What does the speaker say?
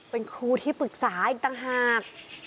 เป็นครูที่ปรึกษาอีกต่างหาก